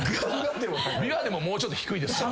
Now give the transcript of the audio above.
琵琶でももうちょっと低いですから。